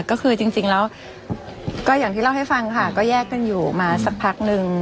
ก็คือจริงแล้วก็อย่างที่เล่าให้ฟังค่ะก็แยกกันอยู่มาสักพักนึง